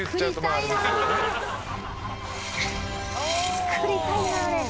作りたいなあれ。